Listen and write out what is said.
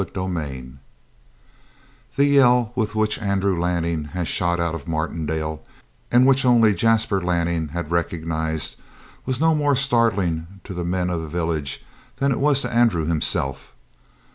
CHAPTER 5 The yell with which Andrew Lanning had shot out of Martindale, and which only Jasper Lanning had recognized, was no more startling to the men of the village than it was to Andrew himself.